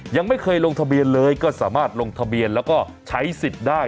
ยังไม่เคยลงทะเบียนเลยก็สามารถลงทะเบียนแล้วก็ใช้สิทธิ์ได้